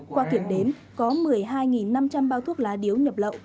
qua kiểm đếm có một mươi hai năm trăm linh bao thuốc lá điếu nhập lậu